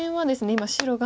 今白が。